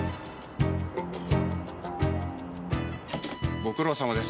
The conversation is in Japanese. ご苦労さまです。